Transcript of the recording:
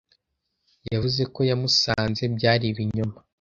Yavuze ko yamusanze, byari ibinyoma.